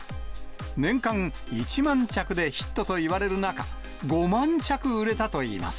年間１万着でヒットといわれる中、５万着売れたといいます。